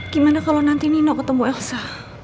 gimana kalau nanti nino ketemu aksa